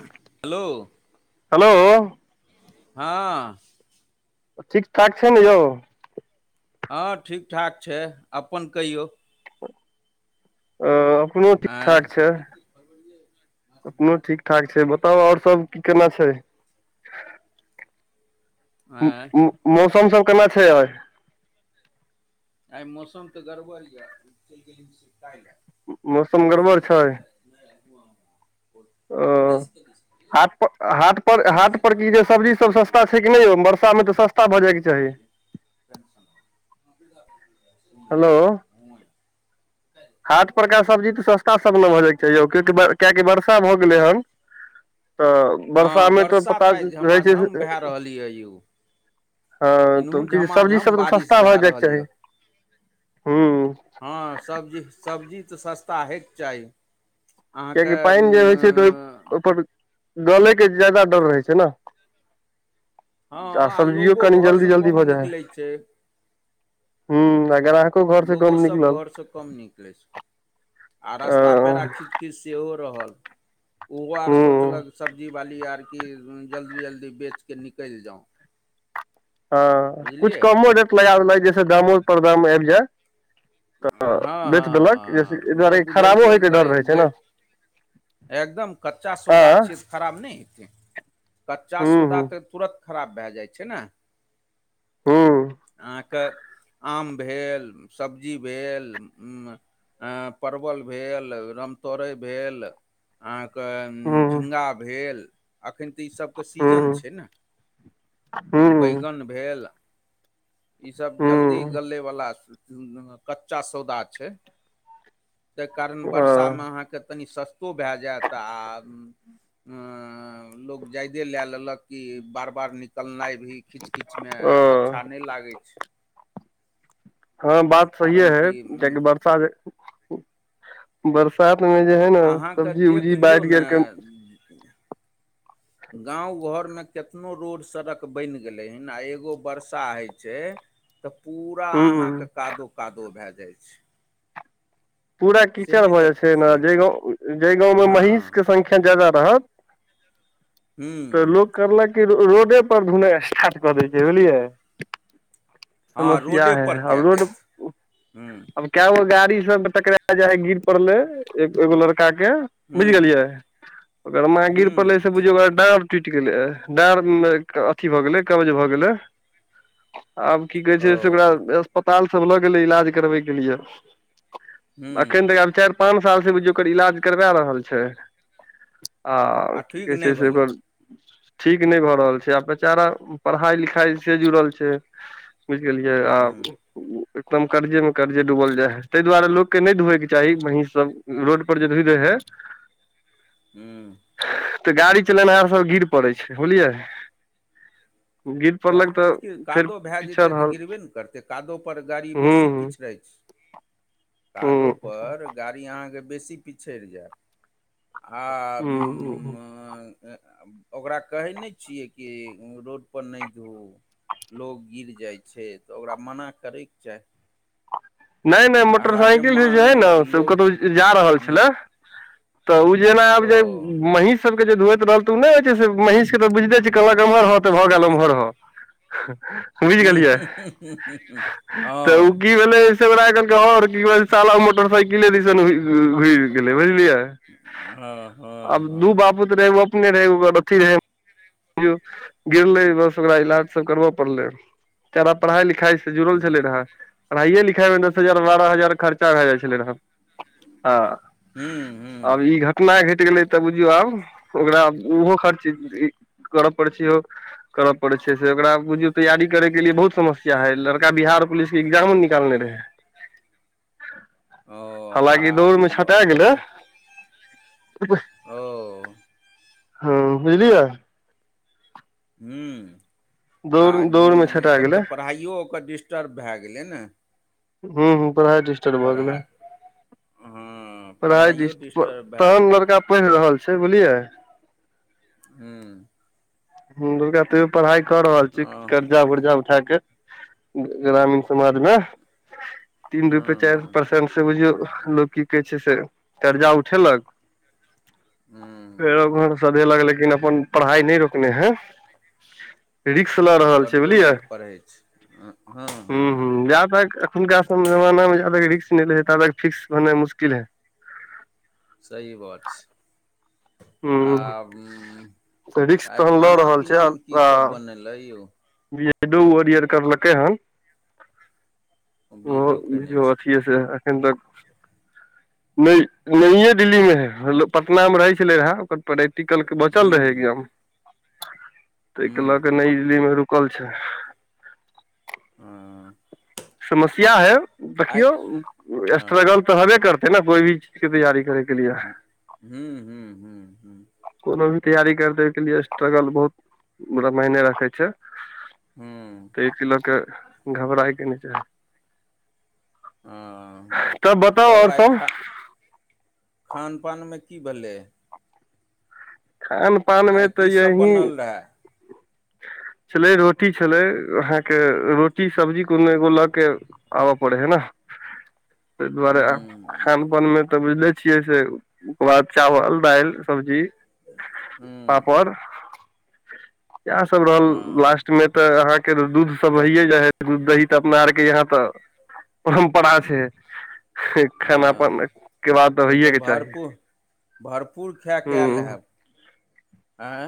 Hello hello हँ ठीक ठाक छै न यौ हँ ठीक ठाक छै अपन कहियौ अ -अपनो ठीक आँय ठाक छै अपनो ठीक ठाक छै बताउ आओर सब की केना छै मो आँय मो मो- मौसम सब केना छै आओर आइ मौसम तऽ गड़बड़ यऽ चलि गेलै सुसताय लए [inaudible] मौसम गड़बड़ छै ओ हाटप- हाटपर - हाटपर ई सब्ज़ी हम बुझि सब सस्ता गेलियै छै की नय यौ बर्षा अहाँके मे त सस्ता भऽ जायके अथीवला चाही छियै पेंशन बला [inaudible] हेलो हँ हाट परका सब्जी तऽ सस्ता सब न भ जाय क चाही कियकि कियाकि वर्षा भऽ गेलै हन तऽ हँ वरषामे तऽ बरसात पता आइ रहै छै झमाझम भए रहल यए यौ हँ तऽ इनहु की सब्जी झमाझम सभ तऽ बारिश सस्ता भऽ भए जायके रहल चाही यए हू हँ सब्जी सब्जी तऽ सस्ता हइके चाही अहाँके किएकि पानि जे होइ छै तऽ ओ उम्म, ओहिपर गलैके जायदा डर रहै छै न हँ आ सब्जियो लोगो कनि जल्दी घरसँ जल्दी कम भऽ जाइ निकलै छै हय ह ग्रह लोगो सभ घरसँ कम निकलै छै आ अ रास्ता पेरा खीच खीच सेहो रहल ओहो ह आर सोचलक सब्जी बाली आर कि जल्दी जल्दी बेचि कऽ निकलि जाउ हँ कुछ बुझलियै कमो रेट लगा देलक जैसे दामोप दाम आबि जाय तऽ हँ हँ बेच देलक जैस एहि हँ दुआरे जब बुझै खराबो छै होयके डर रहै छै न ग एकदम कच्चा सौदा छिय खराब नहि हेतै कच्चा हू सौदा हू तऽ तुरत खराब भए जाइ छै न हँ अहाँक आम भेल सब्जी भेल ह परवल भेल रामतोरैभेल अहाँके हू झिङगा भेल अखैन तऽ ई सबके हू सीजन छै हू हू न बैगन भेल इसभ हू जल्दी गलेवला कच्चा सौदा छै ताहि कारण अ वर्षामे अहाँके कनि सस्तो भए जायत आ उ लोग जायदे लेए लेलक कि बार बार निकलनाइ भी खिच खिच मे ओ अच्छा नहि लागै छै हँ बात सहीए कारण हय कि कियाकि बर्षा जे बरसात मे जे हय ने अहाँके सब्जी देख उब्जी लियौ बाढ़ि [unintelligible] गाँंव घर मे केतनो रोड सड़क बनि गेलै हन आ एगो वर्षा हय छै तऽ पूरा अहाँक हूँ कादो कादो भए जाइ छै पूरा से कीचड़ नहि भऽ जाइ देखै छै न छियै जाहि गाँव जाहि गाँवमे हँ महीषके संख्या जायदा रहत तऽ हूँ लोक करलक की रोडे पर धोनाइ स्टार्ट कऽ दै छै बुझलियै हँ समस्या रोडे हय पर अब कए रोड देत हूँ केएगो गाड़ी सब मे टकराय जाय हय गिर पड़ले ए एगो लड़का के बुझि हूँ गेलियै ओकर माँ गिर पड़लै से हूँ बुझियौ डांर टूटि गेलै डांर अथी भए गेलै कबज भए गेलै आब की कहै छै ओ से ओकरा अस्पताल सब लऽ गेलै इलाज करबैके लिए एखन हूँ तक आब चारि पाँच सालसँ बुझियौ ओकर इलाज करवाए रहल छै आ की ठीक कहै नहि छै से भेलै ओकर ठीक नहि भऽ रहल छै आ बेचारा पढ़ाई लिखाई से जुड़ल छै बुझि गेलियए आ हूँ एकदम कर्जे मे कर्जे डूबल जाय हय ताहि दुआरे लोक के नहि धोवएके चाही महीष सब रोड पर जे धोय दै हय हूँ तऽ गाड़ी चलेनाहार सब गिर पड़ै छै बुझलियै गिर क पड़लक तऽ किछ किच फेर कादो भए पीछा जेतै तऽ रहल गिरबे न करतै कादोपर गाड़ी हूं बेसी पिछड़ै छै हूं कादोपर गाड़ी अहाँके बेसी पिछड़ि जायत आ हूं ओकरा कहै नहि छियै कि रोडपर नहि धोउ लोक गिर जाइ छै तऽ ओकरा मना करैके चाही नहि नहि हालाँकि मोटरसाइकिल से जे हय न माँ से लोग कतहु जा रहल हुँ छलै त ऊ जेना आब ओ जे महीष सबके जे धोइत रहल त ऊ नै होइ छै से महिष के तऽ बुझिले छी कहलक एम्हर हां त भ गेल उम्हर हँ बुइझ हुँ गेलियै तऽ ओ हुँ हुँ की भेलै आइ कहलकै है रे त साला मोटरसाइकिले दिसन हो गेलै बुझलियै हॅं हँ आब हँ दू बापूत अपने रहै अथी रहै गिरलै तो ओकरा इलाज सब करबऽ परले ते द्वारे पढ़ाई लिखाई से जुड़ल हुँ छलै रह पढ़ाइए लिखाई मे ने हजार बारह हजार खर्चा भे जै छेदन हन हँ हं हुँ आब हुँ ई घटना घटना घैट गेलै त बुझियौ आब ओकरा उहो खर्च कर पड़ छेओ करअ पड़े छै से ओकरा बुझियो तैयारी करे के लिए बहुत समस्या है लड़का बिहार पुलिस के एग्जामो निकालने रहै [inaudible] ओ आब तब त गेलै ओ हां बुझलियै हुॅं दौड़ आ दौड़ मे छटा तब गेलै तऽ पढ़ाइ ओ ओकर डिस्टर्ब भे गेलै ने हुॅं हॅं पढ़ाइ डिस्टर्ब भऽ पढ़ाइ गेले हँ पढ़ाई पढ़ाइयो दिस डिस्टर्ब भए तहन गेल लड़का पैढ रहल छै बुझलियै हुॅं दुर्गा तैयो पढ़ाइ क रहल छै हँ कर जा वर्जा उठा के ग्रामीण समाज मे तीन रुपए हँ चैर हँ परसेंट से बुझियौ लोक की कहै छै से कर्जा उठेलक हँ फेरो सदेहलक लेकिन अपन पढ़ाइ नै रोकने हे लेकिन ओ छै कर्जो लए बुझलियै क पढ़ै छै हँ हँ हँ हुनका सब जवाना मे जाबे रिस्क नय लय हे ताबे फिकस भेनाई मुशकिल हे सही बात छै हूँ आब तऽ ऊ रिक्स आइ तहन लऽ खाना रहल छै पीना मे की सभ आ बनल ए यौ बी डी ओ [unintelligible] करलकै हन ओ बीडो बी कयने डी ओ छै किए से अखन तक नए दिल्ली मे हे हले पटना मे रहै छलैन हैं ओकर प्रैक्टिकल के बचल रहे हूँ एग्जाम तय के ल हूँ क नइए दिल्ली में रुकल छै हँ समस्या है आइ देखियौ हँ स्ट्रगल त हेबे करते ने कोई भी चीज के तैयारी करे के लिए हुॅं हूँ हूँ हुॅं कोनो भी तैयारी करने के लिए स्ट्रगल बहुत बरा मायने राखे छै हूँ तय के ल क घबराई के नै छै हँ तब आओर आइ सब खा खान पान मे की भेलै खान पान मे आइ त की ये सब ही बनल [inaudible] छलै रोटी छलै अहाँके रोटी सब्जी कोनो एगो ल के आब पड़े हे न [inaudible] तै दुआरे आब हूँ खान पान मे त बुझले छियै से वेह बाद चावल डाइल सब्जी [inaudible] तापाड़ येह सब रहल हँ लास्ट में ते अहाँ के दूध सब तऽ हये जाय हे दूध दही त अपना आरके यहाँ तऽ परम्परा छैय खाना हँ पानक के बाद त‌ तब तऽ होैएके चाही भरपूर भरपूर खाय के आयल हेब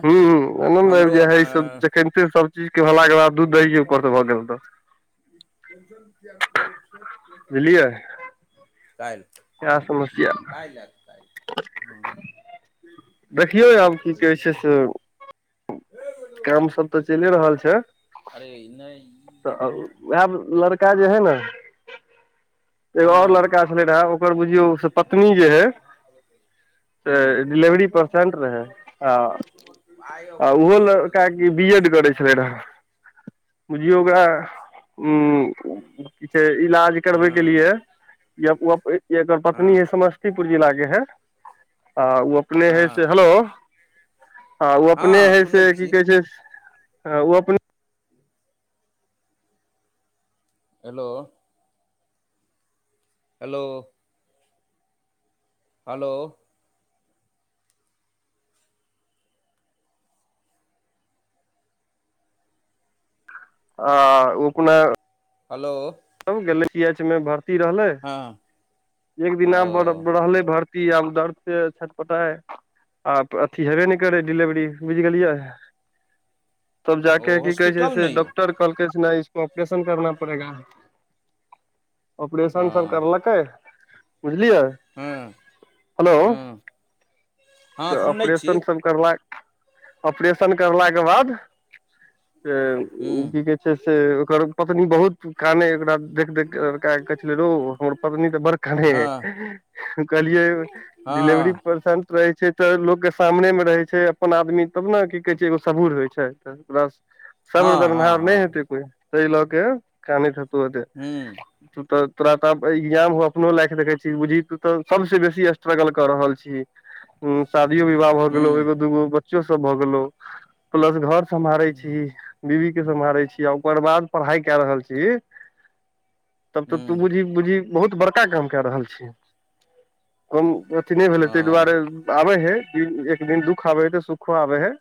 ह्एक दम आबि हमरो जाइ अ हैं जखन से सब्जी के भेलाक के बाद दूध दही ऊपर स भ गेल त [inaudible] ए समस्या कइ लएत [unintelligible] देखियौ आब की कहै छै से काम सब तऽ चलि रहल छै। अरे त नहि ई उ लड़ काज जे है ने एगो आओर हँ लड़का छलै रहे, ओकर बुझियौ पत्नी जे हे से हूँ डिलिवरी परसेंट रहै। ह आइ ओकर दोसर जगह ड्यूटी छै, ओएह बतायब बु झिय से ऊं हे जे इलाज हँ करबै एकर पत्नी हँ है समझ बीीपुर जिला जे हे आ ओ अपने हइ से हँ हेलो, हँ ओ अपने हइ से सुनै की छी कहै छै ह ओ अपने हेलो हेलो हलो आं उपने हेलो डि एमसी एच मे भर्ती रहले, हँ एक दिना ब ओ रहले भर्ती कि आब दर्द से छटपटाए हेबे न करै डिलिवरी, बुझ गेलियै तब ओ जाके की कहै छै हॉस्पिटलमे से यौ डॉक्टर कहलकै से नहि इसको ऑपरेशन करना पड़ेगा ऑपरेशन सब हँ करलकै बुझलियै, हँ हेलो, हँ हँ त सुनै छी ऑपरेशन सब करला, ऑपरेशन करलाके बाद से हूँ की कहे छै से ओकर पतनी बहुत काने एकरा देख देख के लड़का कहै छलै रौ हमर पत्नी तऽ बड़ कनै ये हँ कहलियै हँ परसेंट रहै छै तऽ लोकग के सामने मे रहै छै अपन आदमी तब ने की कहै छै सबुर होइ छै सब्र दरमाहा नहि हँ हँ हेतै कोइ तहि लके के कानीतत हूँ तू तऽ तोरा त एग्जाम अपनो लाइक देखैत छी बुझी तू तऽ सबस बेसी स्ट्रगल क रहल छीय [inaudible] ह शादियो विवाह भऽ गेलो, हूँ एगो दूगो बच्चो सब भऽ गेलो प्लस घर सम्हारै छीहि बीबी के सम्हारे छी हि आ ओकर बाद पढ़ाई क रहल छीहि तब तऽ तू हूँ बूझि, बूझि बहुत बड़का काम क रहल छी। कम ने भे। ताहि दुआरे ओ आबे हय, एक दिन दू सुखाबै हय तऽ सुखो आबै हय,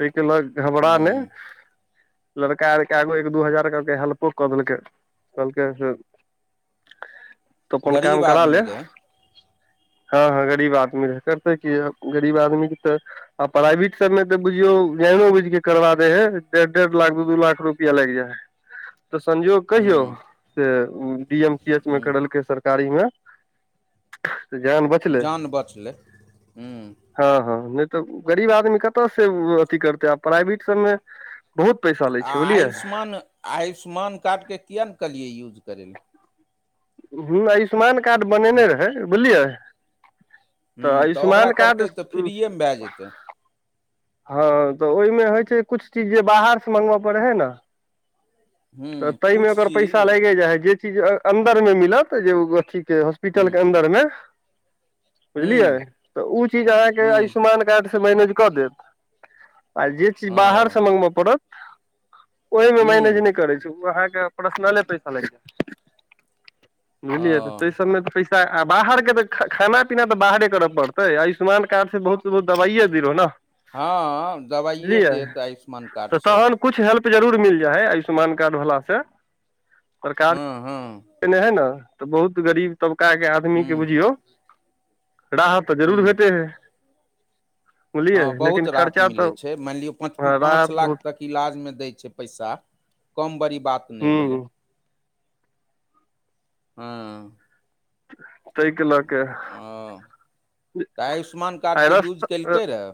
ताहिके लऽ घबरा नै हूँ लड़का आर के आगो एक दू हजार के हेल्प कदलकै, कहलकै जे गरीब आदमी रहै हँ, हँ, गरीब आदमी रहै। करतै की अ गरीब आदमीे क तऽ आ प्राइवेट सबमे तऽ बुझियौ जाइनो बुझिके करबा दे हय। डेढ़-डेढ़ लाख, दू-दू लाख रुपया लागि जाए हय तऽ संयोग कहियौ हूँ से डी एम सी एच मे हूँ करेलकै, सरकारीमे तऽ जान बचलै जान बचलै हूँ हँ हँ नहि तऽ गरीब आदमी कतयसँ ऊ अथी करतै। आ प्राइवेट सभमे बहुत पैसा लै आ छै, बुझलियै आयुष्मान आयुष्मान कार्डके किए नहि कहलिए यूज करै लए? ह्मँ। आयुष्मान कार्ड बनेने रहै, बुलियै हूँ तऽ ओकरा करतै तऽ फ्रीएमे भए जेतै हँ तऽ ओहिमे होइ छै, कुछ चीज जे बाहर से मगबय पड़ै हय न हूँ तऽ ताहिमे किछु ओकर चीज पैसा लागि जाइ हइ जे इ ज अन्दर मे मिलत, जे अथी के हॉस्पिटल हूँ के अन्दर मे बुझलियै। हूँ तऽ उ चीज अहाँके हूँ आयुष्मान कार्डसँ मैनेज कऽ देत आ जे चीज ओ बाहरसँ मंगबय पड़त ओहिमे मैनेज हूँ नहि करै छै। ओ अहाँके पर्सनले पैसा लागि जाय बुझलियै त ओ तऽ सबमे पै त बाहर के त खा खाना पीना तऽ बाहरे करऽ पड़तै आयुष्मान कार्ड से बहुत त दबाइए बीरो न, हँ दबाइए बुझलियै। देत आयुष्मान कार्ड तऽ से तहन कुछ हेल्प जरूर मिल जाइय, आयुष्मान कार्ड भेलासँ सरकार हँ हँ देने हइ ने तऽ बहुत गरीब तबकाके आदमी के हूँ बुझियौ राहत तऽ जरूर हूँ भेटे हय हँ बहुत राहत मिले तऽ छै। मानि लियो पाँच हँ पांच राहत लाख बहुत तक इलाज मे दै छै पैसा। कम बड़ी बात नहि हूँ भेलै ह तई क लके ओ तऽ आयुष्मान कार्डके यूज केलकै रह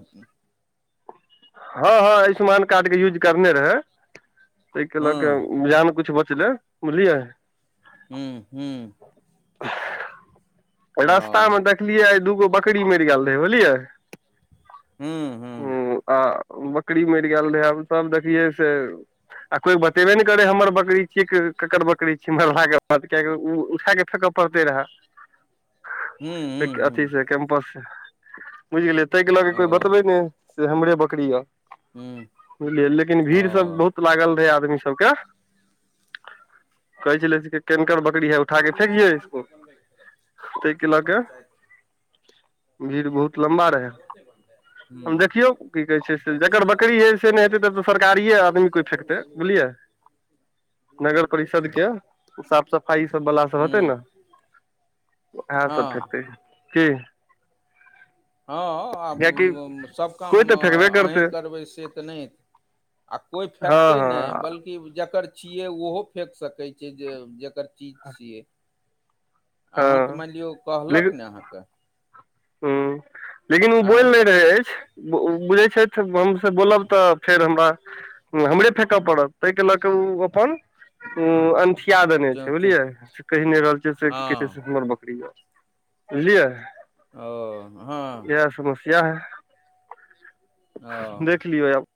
हँ, हँ, आयुष्मान कार्डके यूज करने रहै तइके लऽ हँ कऽ जान कुछ बचले, बुझलियै हूँ हूँ रास्तामे ओ देखलियै आय दूगो बकरी मरि गेल रहै। बुझलियै हूँ ह हूँ आ बकरी मरि गेल रहै आब सब देखियए से आ कोई ब तेबे नहि करै हमर बकरी छियै केकड़ बकरी छी, मरलाक के बाद कियाकि ओ उठाक फेकऽ पड़ते रहेऽ हूँ हूँ क अथी से हूँ कैम्पस से। बुझ गेलियै, ताहि के लऽ के ओ कोइ बतबै नै से हमरे बकरी य, हूँ बुझलियै लेकिन ओ भीड़ सब बहुत लागल रहै आदमी सबके। कहै छले कि केनकर बकरी है, उठाक फेेकिए इसको [unintelligible] तइके लऽ के पंचायत भीड़ बहुत लम्बा रहे कहुं से बन्तै हूं कहै छै से जकर बकरी है [unintelligible] से नहि हेतै तब तऽ सरकारिये आदमी कोइ फेकतै बुझलियै नगर परिषद के साफ सफाई ई सब बला [inaudible] सब हेतै हूं ने उएह सब फेकतै की हँ, कियाकि आब सभ कोइ काम तऽ फेकबे अहीँ करतै करबै से तऽ नहि आ कोइ हँ फेकतै नय हँ बल्कि जकर छियै ओहो फेक सकै छै जे जेकर चीज छीयै आहां‌ तऽ मनि लियौ कहलक न कहां के हूं लेकिन ओ बोइल आँय नय रहै अछि ऊ बुझै छथि ह हमसे बोलब तऽ फेर हमरा हमरे फेकऽ पड़त तइके लऽ कऽ उ अपन उ अनठि या देने चुँ छै चुँ बुझलियै से कहि ने रहल छियै से किया हँ र बकरी [unintelligible] बुझलियै ओ हँ इहा समस्या हे ओ देख लियौ आब